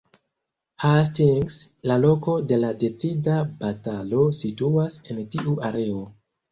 Hastings, la loko de la decida batalo situas en tiu areo.